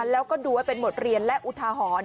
แล้วก็ดูไว้เป็นบทเรียนและอุทาหรณ์